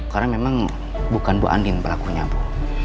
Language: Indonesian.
karena memang bukan bu andin berlakunya bu